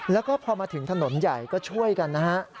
แล้วก็พอมาถึงถนนใหญ่ก็ช่วยกันนะฮะ